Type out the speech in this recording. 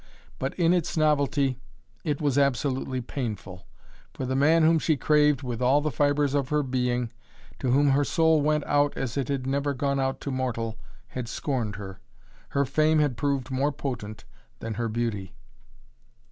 But in its novelty it was absolutely painful. For the man whom she craved with all the fibres of her being, to whom her soul went out as it had never gone out to mortal, had scorned her. Her fame had proved more potent than her beauty.